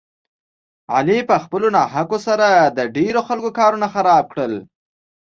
علي په خپلو ناحقو سره د ډېرو خلکو کارونه خراب کړل.